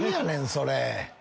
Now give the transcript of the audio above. それ。